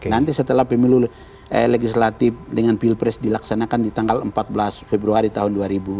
nanti setelah pemilu legislatif dengan pilpres dilaksanakan di tanggal empat belas februari tahun dua ribu dua puluh